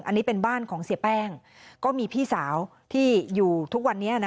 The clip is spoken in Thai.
อันนี้เป็นบ้านของเสียแป้งก็มีพี่สาวที่อยู่ทุกวันนี้นะ